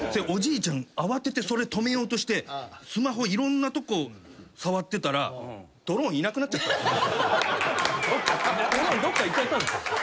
おじいちゃん慌ててそれ止めようとしてスマホいろんなとこ触ってたらドローンいなくなっちゃったんですよ。